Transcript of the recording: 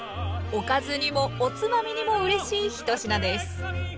おかずにもおつまみにもうれしい１品です。